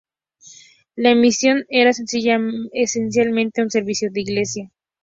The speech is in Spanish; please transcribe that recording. La emisión era esencialmente un servicio de iglesia.